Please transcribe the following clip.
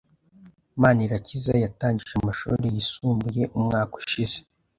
Manirakiza yarangije amashuri yisumbuye umwaka ushize.